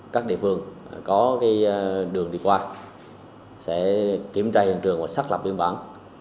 các địa phương có đường đi qua sẽ kiểm tra hiện trường và xác lập biên bản